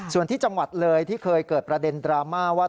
ส่วนที่จังหวัดเลยที่เคยเกิดประเด็นดราม่าว่า